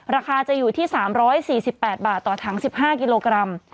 ราคาจะอยู่ที่๓๔๘บาทต่อถัง๑๕กิโลกรัม